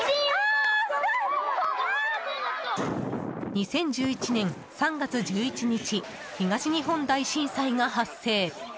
２０１１年３月１１日東日本大震災が発生。